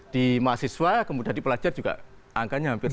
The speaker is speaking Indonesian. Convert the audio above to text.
di mahasiswa kemudian di pelajar juga angkanya hampir sama